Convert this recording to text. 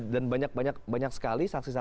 dan banyak banyak sekali saksi saksi